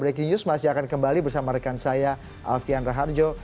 breaking news masih akan kembali bersama rekan saya alfian raharjo